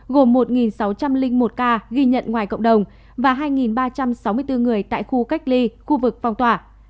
gồm một sáu trăm linh một ca ghi nhận ngoài cộng đồng và hai ba trăm sáu mươi bốn người tại khu cách ly khu vực phong tỏa